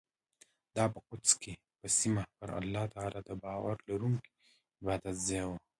دا په قدس په سیمه کې پر الله تعالی د باور لرونکو عبادتځای و.